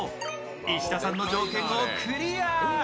石田さんの条件をクリア。